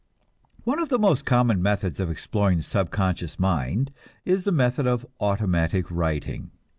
One of the most common methods of exploring the subconscious mind is the method of automatic writing.